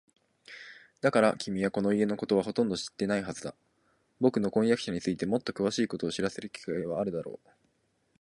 だから、君はこの家のことはほとんど知っていないはずだ。ぼくの婚約者についてもっとくわしいことを知らせる機会はあるだろう。